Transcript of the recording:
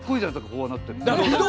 こうなって。